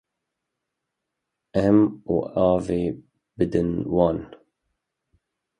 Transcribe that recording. Êm û avê bidin wan.